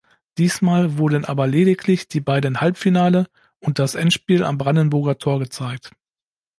Diesmal wurden aber lediglich die beiden Halbfinale und das Endspiel am Brandenburger Tor gezeigt.